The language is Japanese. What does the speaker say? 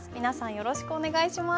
よろしくお願いします。